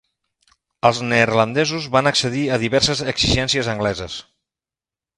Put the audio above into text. Els neerlandesos van accedir a diverses exigències angleses.